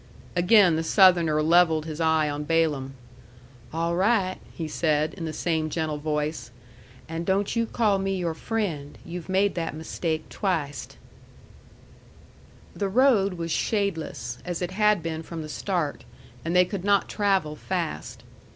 Again the Southerner levelled his eye on Balaam. "All right," he said, in the same gentle voice. "And don't you call me your friend. You've made that mistake twiced." The road was shadeless, as it had been from the start, and they could not travel fast.